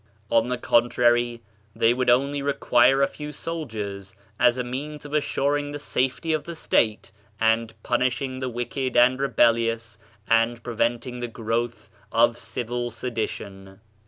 On the contrary, they would only require a few soldiers, as a means of assuring the safety of the state and pun ishing the wicked and rebellious and preventing the growth of civil sedition.